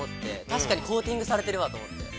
確かにコーティングされているわと思って。